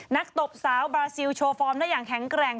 ตบสาวบาซิลโชว์ฟอร์มได้อย่างแข็งแกร่ง